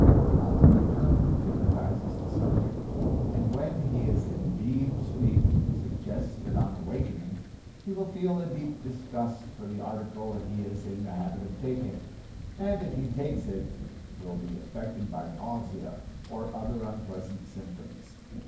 The operator hypnotizes the subject, and when he is in deep sleep suggests that on awaking he will feel a deep disgust for the article he is in the habit of taking, and if he takes it will be affected by nausea, or other unpleasant symptoms.